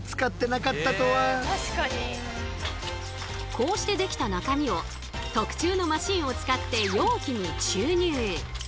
こうしてできた中身を特注のマシンを使って容器に注入。